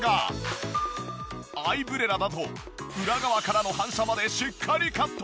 アイブレラだと裏側からの反射までしっかりカット。